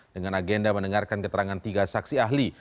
dengan agenda mendengarkan keterangan tiga saksi ahli